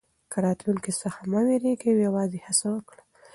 له راتلونکي څخه مه وېرېږئ او یوازې هڅه وکړئ.